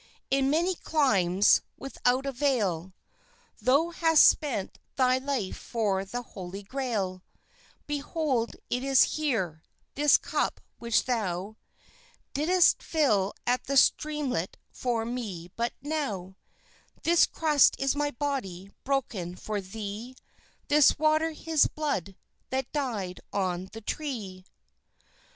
In many climes, without avail, Thou hast spent thy life for the Holy Grail; Behold, it is here this cup which thou Did'st fill at the streamlet for me but now; This crust is my body broken for thee, This water His blood that died on the tree.